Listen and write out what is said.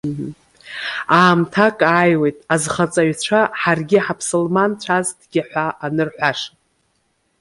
Аамҭак ааиуеит, азхамҵаҩцәа ҳаргьы ҳаԥсылманцәазҭгьы!- ҳәа анырҳәаша.